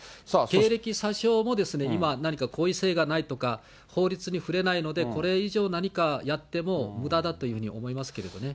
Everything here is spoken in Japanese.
経歴詐称も今、何か故意性がないとか、法律に触れないので、これ以上、何かやってもむだだというふうに思いますけれどもね。